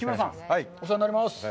お世話になります。